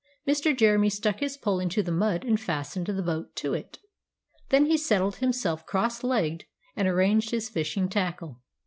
Mr. Jeremy stuck his pole into the mud and fastened the boat to it. Then he settled himself cross legged and arranged his fishing tackle.